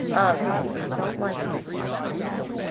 Ugh! I don't like this. .